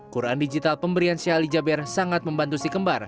quran digital pemberian sheikh ali jaber sangat membantu si kembar